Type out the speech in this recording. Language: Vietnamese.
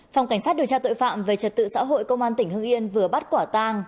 phòng cảnh sát điều tra tội phạm về trật tự xã hội công an tỉnh hưng yên vừa bắt quả tang